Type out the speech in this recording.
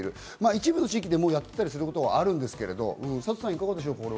一部の地域で、もうやっていたりすることはあるんですけど、サトさんいかがでしょう？